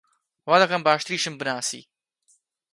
وا دەکەم باشتریشم بناسی!